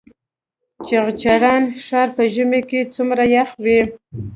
چغچران ښار په ژمي کې څومره یخ وي؟